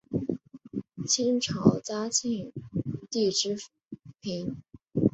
清朝嘉庆帝之嫔。